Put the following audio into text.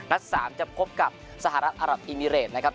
๓จะพบกับสหรัฐอารับอิมิเรตนะครับ